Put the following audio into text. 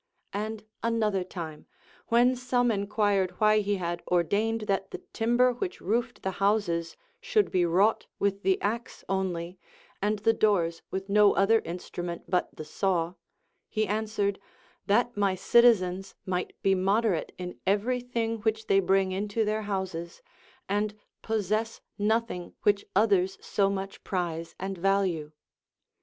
And another time, when some enquired why he had ordained that the timber which roofed the houses should be Λvrought with the axe only, and the doors with no other instrument but the saw, he answered : That my citizens might be moderate in every tiling which they bring into their houses, and possess noth ing which others so much prize and value.